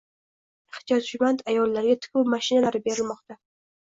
Ehtiyojmand ayollarga tikuv mashinalari berilmoqdang